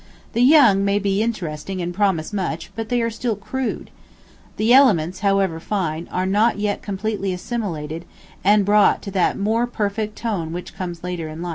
The young may be interesting and promise much, but they are still crude. The elements, however fine, are not yet completely assimilated and brought to that more perfect tone which comes later in life.